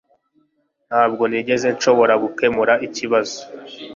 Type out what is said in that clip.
Ntabwo nigeze nshobora gukemura ikibazo